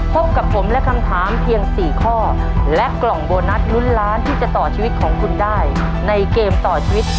พบกับผมและคำถามเพียง๔ข้อและกล่องโบนัสลุ้นล้านที่จะต่อชีวิตของคุณได้ในเกมต่อชีวิต